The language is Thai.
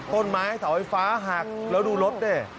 ต้นไม้เสาไฟฟ้าหักแล้วดูรถดิ